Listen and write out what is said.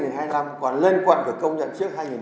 còn lên quận là công nhận trước hai nghìn ba mươi